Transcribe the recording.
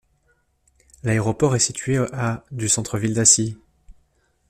L'aéroport est situé à du centre-ville d'Assis.